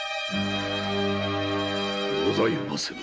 ございません。